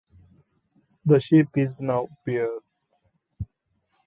The ship is now bare.